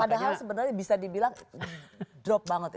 padahal sebenarnya bisa dibilang drop banget ya